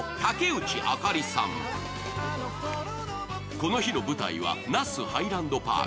この日の舞台は那須ハイランドパーク。